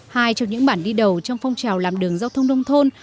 hai trong những bản đi đầu trong phong trào làm đường giao thông nông thôn